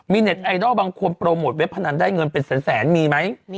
มีเน็ตไอดอลบางคนโปรโมทเว็บพนันได้เงินเป็นแสนมีไหม